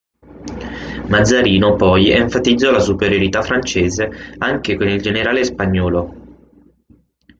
Mazzarino poi enfatizzò la superiorità francese anche con il generale spagnolo.